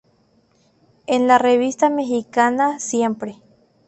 En la revista mexicana "Siempre!